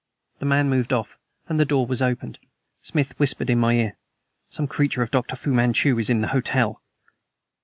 The man moved off, and the door was opened. Smith whispered in my ear: "Some creature of Dr. Fu Manchu is in the hotel!"